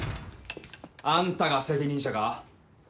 ・あんたが責任者か？